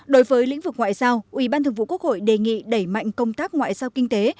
đối với lĩnh vực ngoại giao ủy ban thường vụ quốc hội đề nghị đẩy mạnh công tác ngoại giao kinh tế